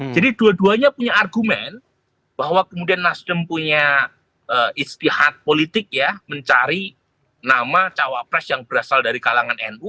jadi dua duanya punya argumen bahwa kemudian nasdem punya istihad politik mencari nama cawapres yang berasal dari kalangan nu